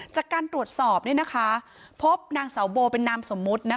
จากการตรวจสอบพบนางสาวโบเป็นนามสมมุติ